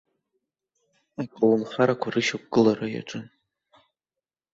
Аколнхарақәа рышьақәыргылара иаҿын.